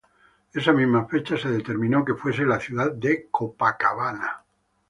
Esa misma fecha se determinó que fuese la ciudad de Copacabana.